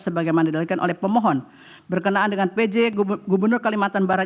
sebagaimana didalikan oleh pemohon berkenaan dengan pj gubernur kalimantan barat